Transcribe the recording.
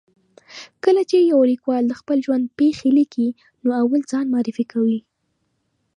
کله چې یو لیکوال د خپل ژوند پېښې لیکي، نو اول ځان معرفي کوي.